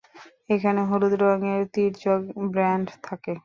এখানে হলুদ রঙের তির্যক ব্যান্ড থাকে।